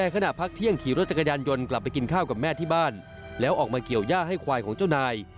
ขณะพักเที่ยงขี่รถจักรยานยนต์กลับไปกินข้าวกับแม่ที่บ้านแล้วออกมาเกี่ยวย่าให้ควายของเจ้านาย